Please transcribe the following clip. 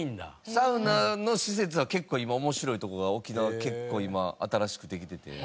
サウナの施設は結構今面白いとこが沖縄結構今新しくできてて。